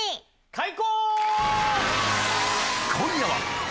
開講！